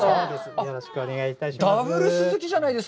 よろしくお願いします。